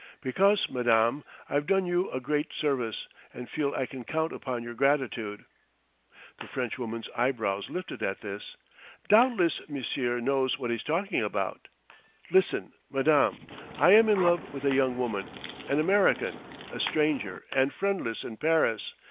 "Because, madame, I've done you a great service, and feel I can count upon your gratitude." The Frenchwoman's eyebrows lifted at this. "Doubtless, monsieur knows what he's talking about " "Listen, madame: I am in love with a young woman, an American, a stranger and friendless in Paris.